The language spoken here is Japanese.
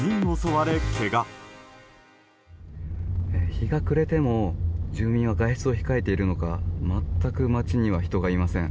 日が暮れても住民は外出を控えているのか全く街には人がいません。